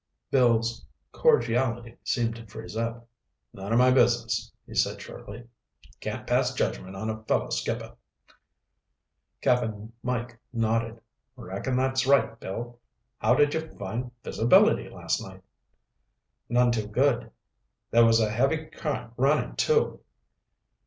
Bill's cordiality seemed to freeze up. "None of my business," he said shortly. "Can't pass judgment on a fellow skipper." Cap'n Mike nodded. "Reckon that's right. Bill, how did you find visibility last night?" "None too good. There was a heavy current running, too."